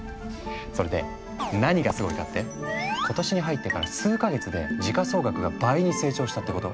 それで何がすごいかって今年に入ってから数か月で時価総額が倍に成長したってこと。